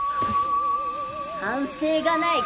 反省がない！